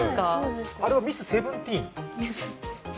あれはミスセブンティーン？